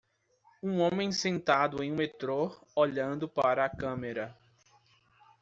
Um homem sentado em um metrô, olhando para a câmera.